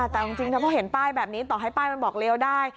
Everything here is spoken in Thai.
แต่จริงถ้าเขาเห็นป้ายแบบนี้ต่อให้ป้ายมันบอกเลี้ยวได้